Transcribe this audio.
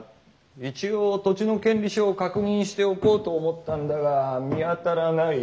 一応土地の権利書を確認しておこうと思ったんだが見当たらない。